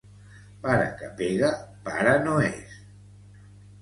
Pare que pega, pare no és.